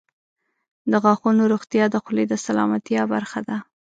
• د غاښونو روغتیا د خولې د سلامتیا برخه ده.